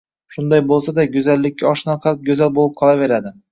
Shunday bo`lsa-da, go`zallikka oshno qalb go`zal bo`lib qolaveradi